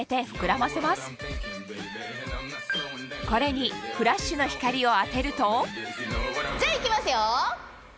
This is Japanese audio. これにフラッシュの光を当てるとじゃあいきますよ！